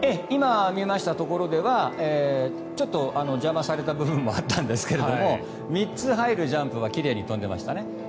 今、見えましたところではちょっと邪魔された部分もあったんですけど３つ入るジャンプは奇麗に跳んでましたね。